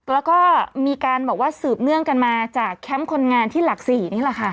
แล้วก็มีการบอกว่าสืบเนื่องกันมาจากแคมป์คนงานที่หลัก๔นี่แหละค่ะ